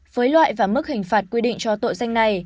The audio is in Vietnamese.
với loại và mức hình phạt quy định cho tội danh này